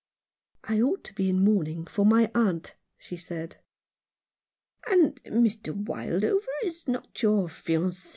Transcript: " I ought to be in mourning for my aunt," she said. "And Mr. Wildover is not your fianct?